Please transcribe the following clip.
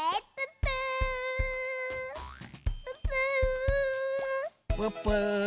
プップー！